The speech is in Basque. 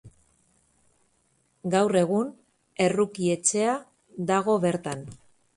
Gaur egun Erruki Etxea dago bertan.